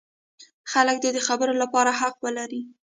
خلک دې د خبرو لپاره حق ولري.